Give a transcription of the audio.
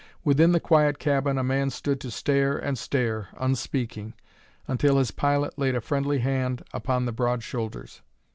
Within the quiet cabin a man stood to stare and stare, unspeaking, until his pilot laid a friendly hand upon the broad shoulders.